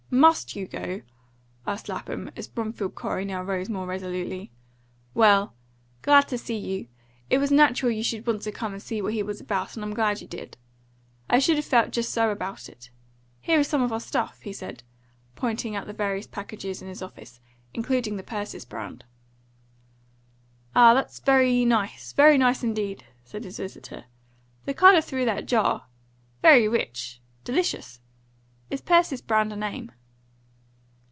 MUST you go?" asked Lapham, as Bromfield Corey now rose more resolutely. "Well, glad to see you. It was natural you should want to come and see what he was about, and I'm glad you did. I should have felt just so about it. Here is some of our stuff," he said, pointing out the various packages in his office, including the Persis Brand. "Ah, that's very nice, very nice indeed," said his visitor. "That colour through the jar very rich delicious. Is Persis Brand a name?"